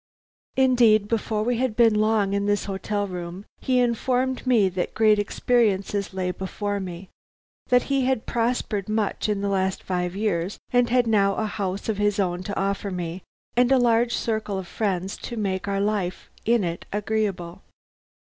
Indeed, before we had been long in this hotel room, he informed me that great experiences lay before me; that he had prospered much in the last five years and had now a house of his own to offer me and a large circle of friends to make our life in it agreeable.